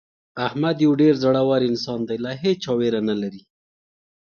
احمد یو ډېر زړور انسان دی له هېچا ویره نه لري.